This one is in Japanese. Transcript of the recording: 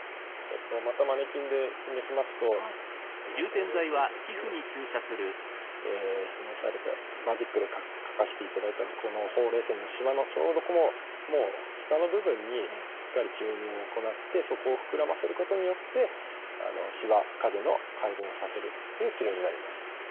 またマネキンで示しますとこのほうれい線によって示されたマジックで書かせていただいたこのほうれい線のしわのちょうどもう下の部分にしっかり注入を行ってそこを膨らませることによってしわ影の改善をさせるっていう治療になります。